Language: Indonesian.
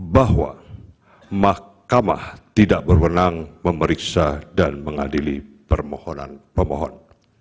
bahwa mahkamah tidak berwenang memeriksa dan mengadili permohonan pemohon